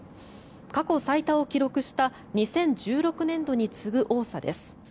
過去最多を記録した２０１６年度に次ぐ多さです。